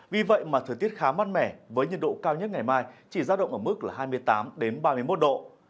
vì vậy mà thời tiết khá mát mẻ với nhiệt độ cao nhất ngày mai chỉ giao động ở mức là hai mươi tám ba mươi một độ